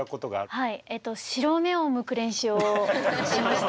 白目をむく練習をしました。